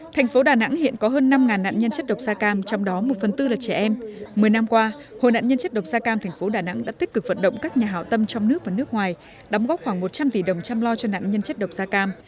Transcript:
thành phố đà nẵng hiện có hơn năm nạn nhân chất độc da cam trong đó một phần tư là trẻ em một mươi năm qua hội nạn nhân chất độc da cam thành phố đà nẵng đã tích cực vận động các nhà hảo tâm trong nước và nước ngoài đóng góp khoảng một trăm linh tỷ đồng chăm lo cho nạn nhân chất độc da cam